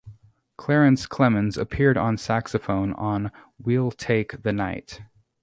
Clarence Clemons appeared on saxophone on "We'll Take the Night".